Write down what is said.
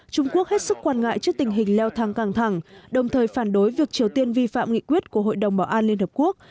trung quốc hết sức quan ngại trước tình hình leo thang căng thẳng đồng thời phản đối việc triều tiên vi phạm nghị quyết của hội đồng bảo an liên hợp quốc